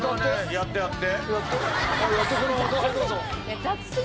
やってやって。